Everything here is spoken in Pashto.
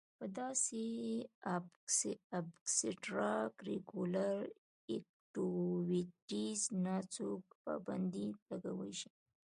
پۀ داسې اېکسټرا کريکولر ايکټويټيز نۀ څوک پابندي لګولے شي